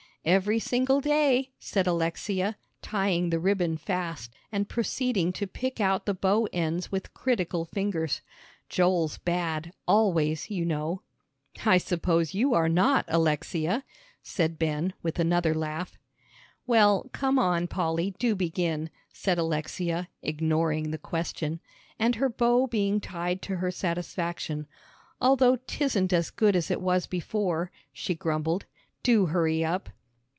"Every single day," said Alexia, tying the ribbon fast, and proceeding to pick out the bow ends with critical fingers. "Joel's bad, always, you know." "I suppose you are not, Alexia," said Ben, with another laugh. "Well, come on, Polly, do begin," said Alexia, ignoring the question; and her bow being tied to her satisfaction, "although 'tisn't as good as it was before," she grumbled, "do hurry up."